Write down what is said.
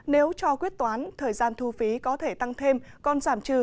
nếu cho quyết toán thời gian thu phí có thể tăng thêm còn giảm trừ